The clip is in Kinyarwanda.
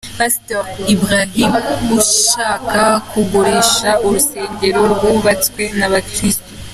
Pasteur Ibrahim ushaka kugurisha urusengero rwubatswe n’ abakirisitu.